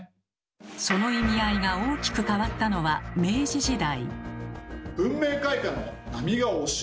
その意味合いが大きく変わったのは明治時代。